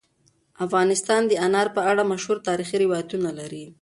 افغانستان د انار په اړه مشهور تاریخی روایتونه لري.